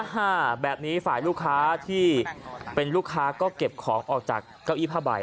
ห้าแบบนี้ฝ่ายลูกค้าที่เป็นลูกค้าก็เก็บของออกจากเก้าอี้ผ้าใบ